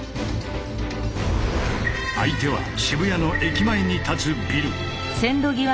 相手は渋谷の駅前に立つビル。